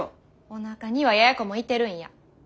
おなかにはややこもいてるんや。